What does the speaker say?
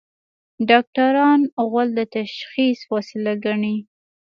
ډاکټران غول د تشخیص وسیله ګڼي.